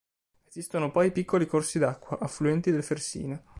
Esistono poi piccoli corsi d'acqua, affluenti del Fersina.